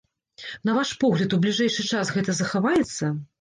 На ваш погляд, у бліжэйшы час гэта захаваецца?